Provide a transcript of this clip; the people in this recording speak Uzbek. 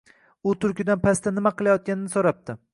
U Tulkidan pastda nima qilayotganini so‘rabdi